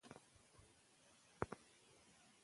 که ماشوم په خپله ژبه زده کړه و کي نو ذهني فشار نه احساسوي.